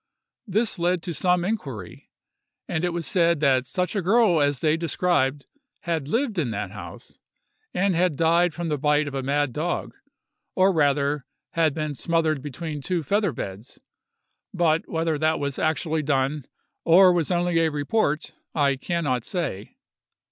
This led to some inquiry, and it was said that such a girl as they described had lived in that house, and had died from the bite of a mad dog; or, rather, had been smothered between two feather beds: but whether that was actually done, or was only a report, I can not say.